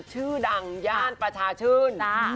ชื่อดังญาตาประชาชึน